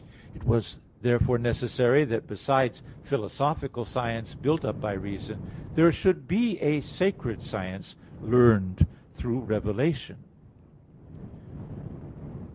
It was therefore necessary that besides philosophical science built up by reason, there should be a sacred science learned through revelation.